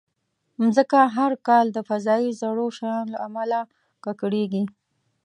مځکه هر کال د فضایي زړو شیانو له امله ککړېږي.